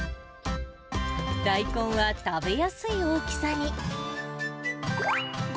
大根は食べやすい大きさに。